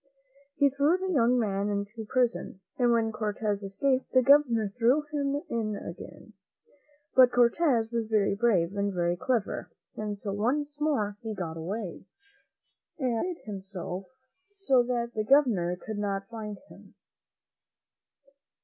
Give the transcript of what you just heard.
He threw the young man into prison, and when Cortez escaped, the Governor threw him in again. But Cortez was very brave and very clever, and so once more he got away, .y J I THE MEN WHO FOUND AMERICA y*ab m^ ■>''^ and hid himself so that the Governor could not find him.